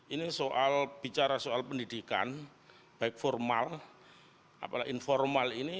ini bicara soal pendidikan baik formal informal ini